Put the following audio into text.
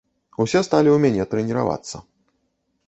Усе сталі ў мяне трэніравацца.